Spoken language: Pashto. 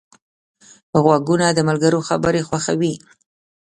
غوږونه د ملګرو خبرې خوښوي